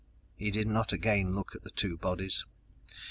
He did not again look at the two bodies!